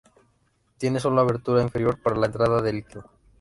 Tiene sólo abertura inferior para la entrada de líquido.